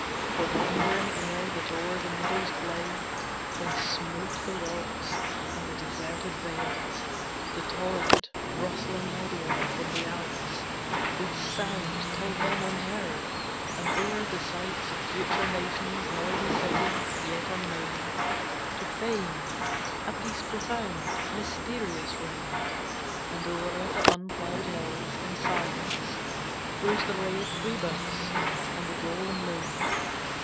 The wandering air that o'er the meadows played, When smote the rocks, and the deserted vales, The torrent, rustling headlong from the Alps, With sound, till then, unheard; and o'er the sites Of future nations, noisy cities, yet unknown To fame, a peace profound, mysterious reigned; And o'er the unploughed hills, in silence, rose The ray of Phoebus, and the golden moon.